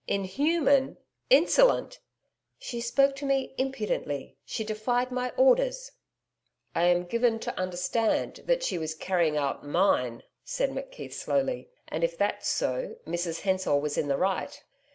'Inhuman... Insolent!' 'She spoke to me impudently. She defied my orders.' 'I am given to understand that she was carrying out mine,' said McKeith slowly. 'And if that's so, Mrs Hensor was in the right.'